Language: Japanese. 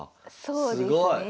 そうですね。